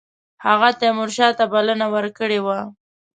هغه تیمورشاه ته بلنه ورکړې وه.